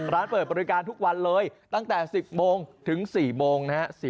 ร้านเปิดบริการทุกวันเลยตั้งแต่๑๐โมงถึง๔โมงนะฮะ